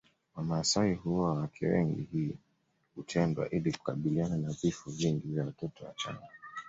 Wamasai huoa wake wengi hii hutendwa ili kukabiliana na vifo vingi vya watoto wachanga